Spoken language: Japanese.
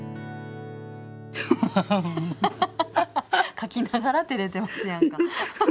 書きながらてれてますやんか。